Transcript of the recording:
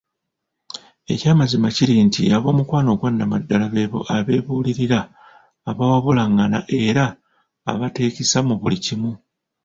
Ekyamazima kiri nti ob'omukwano ogwannamaddala beebo abeebuulirira, abawabulagana era abateekisa mu buli kimu.